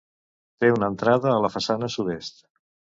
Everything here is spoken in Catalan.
Té una entrada a la façana sud-est.